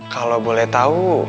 kalau boleh tau